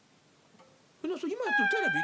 それ今やってるテレビ？」